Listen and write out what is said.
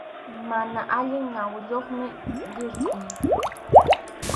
Mana allin ñawiyuqmi, lirqʼum.